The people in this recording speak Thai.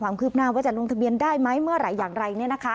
ความคืบหน้าว่าจะลงทะเบียนได้ไหมเมื่อไหร่อย่างไร